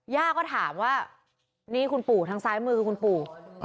ย่าก็ถามว่านี่คุณปู่ทางซ้ายมือคือคุณปู่